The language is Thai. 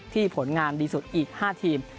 ผลงานดีสุดอีก๕ทีม